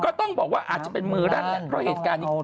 ก็ต้องบอกว่าอาจจะเป็นมือรั่นแหละเพราะเหตุการณ์นี้